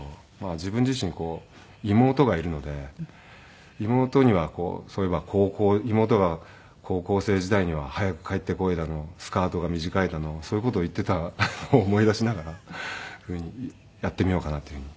自分自身妹がいるので妹にはそういえば妹が高校生時代には早く帰ってこいだのスカートが短いだのそういう事を言っていたのを思い出しながらやってみようかなというふうに。